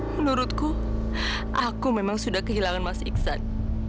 menurutku aku memang sudah kehilangan mas iksan